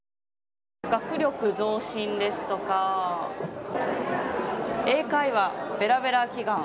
学力増進ですとか英会話ベラベラ祈願。